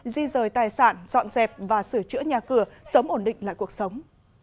di rời tài sản dọn dẹp và sửa chữa nhà cửa sớm ổn định lại cuộc sống